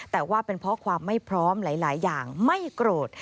แต่ว่าเป็นเพราะความไม่พร้อมหลายอย่างไม่โกรธ